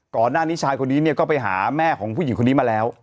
ก่อนหน้านี้ชายคนนี้เนี่ยก็ไปหาแม่ของผู้หญิงคนนี้มาแล้ว